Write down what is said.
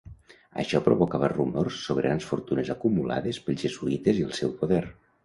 Això provocava rumors sobre grans fortunes acumulades pels jesuïtes i el seu poder.